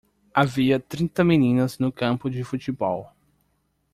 Havia trinta meninas no campo de futebol.